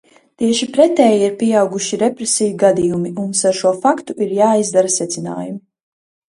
Tieši pretēji, ir pieauguši represiju gadījumi, un mums par šo faktu ir jāizdara secinājumi.